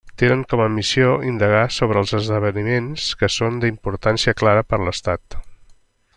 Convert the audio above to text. Tenen com a missió indagar sobre els esdeveniments que són d'importància clara per a l'Estat.